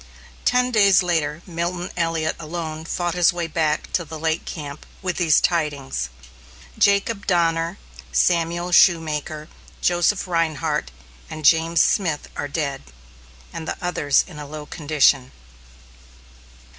Ten days later Milton Elliot alone fought his way back to the lake camp with these tidings: "Jacob Donner, Samuel Shoemaker, Joseph Rhinehart, and James Smith are dead, and the others in a low condition."